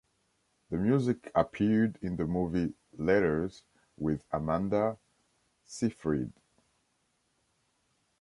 The music appeared in the movie Letters with Amanda Seyfried.